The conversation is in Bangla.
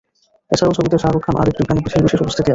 এছাড়াও ছবিতে শাহরুখ খান এর একটি গানে বিশেষ বিশেষ উপস্থিতি আছে।